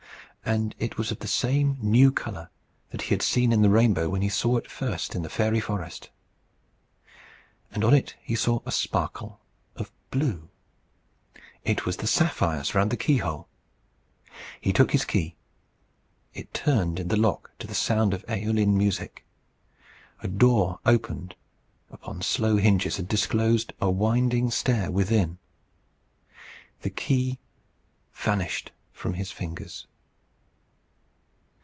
And it was of the same new colour that he had seen in the rainbow when he saw it first in the fairy forest. And on it he saw a sparkle of blue. It was the sapphires round the key hole. He took his key. It turned in the lock to the sound of Aeolian music. A door opened upon slow hinges, and disclosed a winding stair within. The key vanished from his fingers.